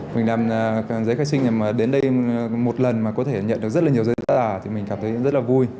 mình làm giấy khai sinh nhằm mà đến đây một lần mà có thể nhận được rất là nhiều giấy tờ thì mình cảm thấy rất là vui